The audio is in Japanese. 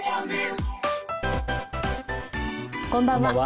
こんばんは。